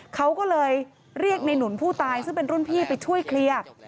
เขาก็เลยเรียกในหนุนผู้ตายซึ่งเป็นรุ่นพี่ไปช่วยเคลียร์